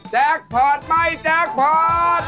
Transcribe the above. พอร์ตไม่แจ็คพอร์ต